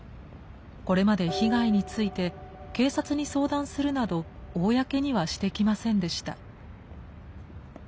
これまで被害について警察に相談するなど公にはしてきませんでした。